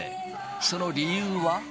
その理由は。